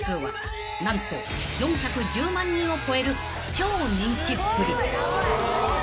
［超人気っぷり］